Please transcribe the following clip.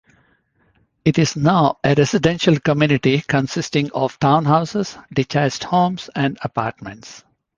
It is now a residential community consisting of townhouses, detached homes and apartments.